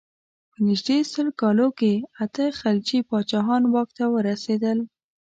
په نژدې سل کالو کې اته خلجي پاچاهان واک ته ورسېدل.